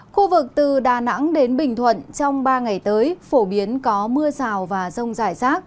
khu vực từ đà nẵng đến bình thuận trong ba ngày tới phổ biến có mưa rào và rông rải rác